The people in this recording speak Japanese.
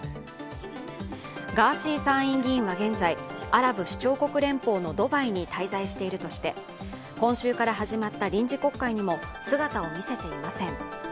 ガーシー参院議員は現在アラブ首長国連邦のドバイに滞在しているとして今週から始まった臨時国会にも姿を見せていません。